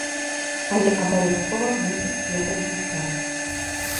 Але абавязкова мусіць ехаць дзіця.